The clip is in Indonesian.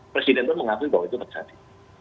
presiden pun mengakui bahwa itu terjadi